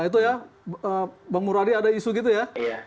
itu ya bang muradi ada isu gitu ya